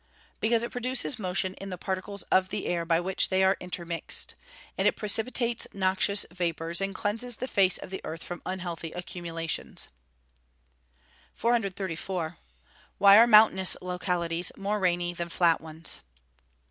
_ Because it produces motion in the particles of the air, by which they are intermixed. And it precipitates noxious vapours, and cleanses the face of the earth from unhealthy accumulations. 434. _Why are mountainous localities more rainy than flat ones?